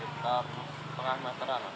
sekitar setengah meteran